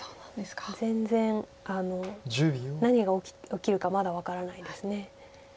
全然何が起きるかまだ分からないです。